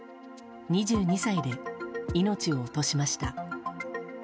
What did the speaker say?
２２歳で命を落としました。